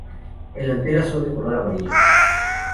El anteras son de color amarillo.